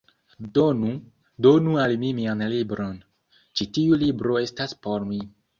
Donu, donu al mi mian libron! Ĉi tiu libro estas por mi